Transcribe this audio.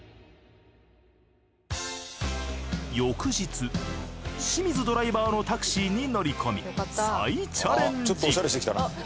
翌日清水ドライバーのタクシーに乗り込み再チャレンジ！